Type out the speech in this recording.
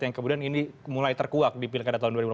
yang kemudian ini mulai terkuak di pilkada tahun dua ribu lima belas